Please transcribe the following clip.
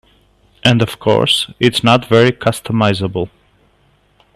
And of course, it's not very customizable.